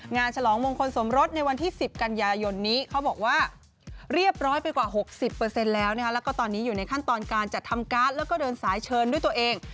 ฉลองมงคลสมรสในวันที่๑๐กันยายนนี้เขาบอกว่าเรียบร้อยไปกว่า๖๐แล้วนะคะแล้วก็ตอนนี้อยู่ในขั้นตอนการจัดทำการ์ดแล้วก็เดินสายเชิญด้วยตัวเอง